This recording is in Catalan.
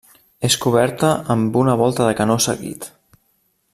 És coberta amb una volta de canó seguit.